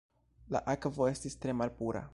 La akvo estis tre malpura.